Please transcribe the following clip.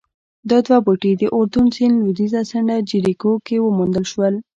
دا دوه بوټي د اردن سیند لوېدیځه څنډه جریکو کې وموندل شول